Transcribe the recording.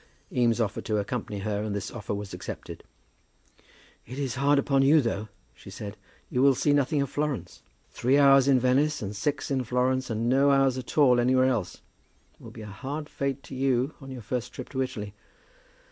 Eames offered to accompany her, and this offer was accepted. "It is hard upon you, though," she said; "you will see nothing of Florence. Three hours in Venice, and six in Florence, and no hours at all anywhere else, will be a hard fate to you on your first trip to Italy."